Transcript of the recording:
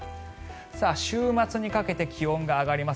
週末にかけて気温が上がります。